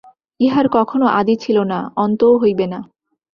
ইহার কখনও আদি ছিল না, অন্তও হইবে না।